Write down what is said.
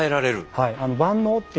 はい。